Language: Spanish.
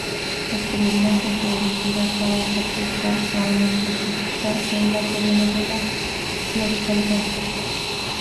Posteriormente fue elegida para interpretar a una prostituta en la telenovela "Flor Salvaje".